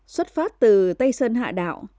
xuất phát từ tây sơn hạ đạo